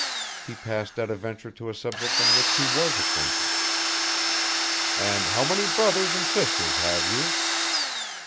He passed at a venture to a subject on which he was acquainted. "And how many brothers and sisters have you?"